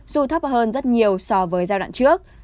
dù thấp hơn rất nhiều so với giai đoạn trước